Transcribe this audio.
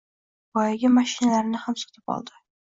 Boyagi mashinalarni ham sotib oldi